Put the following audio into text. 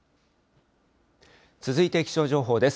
続いて気象情報です。